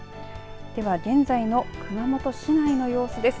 では現在の熊本市内の様子です。